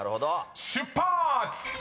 ［出発！］